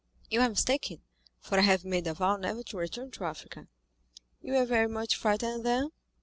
"You are mistaken, for I have made a vow never to return to Africa." "You were very much frightened, then?"